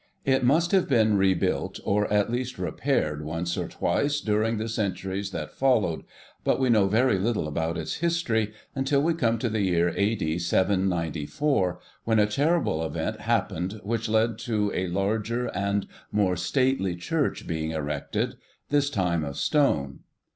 _ It must have been rebuilt, or at least repaired, once or twice during the centuries that followed, but we know very little about its history until we come to the year A.D. 794, when a terrible event happened which led to a larger and more stately church being erected, this time of stone.